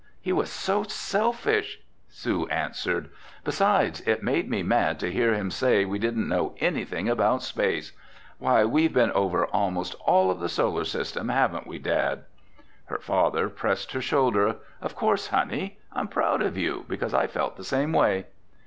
"He was so selfish!" Sue answered. "Besides, it made me mad to hear him say we didn't know anything about space! Why, we've been over almost all of the Solar System, haven't we, Dad?" Her father pressed her shoulder. "Of course, honey. I'm proud of you, because I felt the same way."